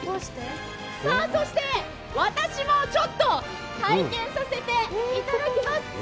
そして、私もちょっと体験させていただきます。